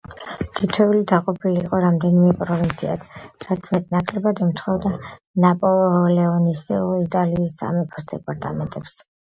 თითოეული დაყოფილი იყო რამდენიმე პროვინციად, რაც მეტნაკლებად ემთხვეოდა ნაპოლეონისეული იტალიის სამეფოს დეპარტამენტებს.